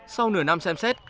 sau nửa năm xem xét